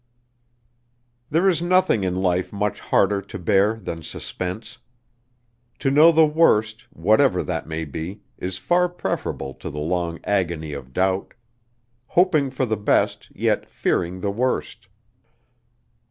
There is nothing in life much harder to bear than suspense. To know the worst, whatever that may be, is far preferable to the long agony of doubt; hoping for the best, yet fearing the worst.